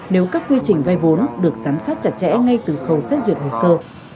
nếu các quy trình vay vốn được giám sát chặt chẽ ngay từ khâu xét duyệt hồ sơ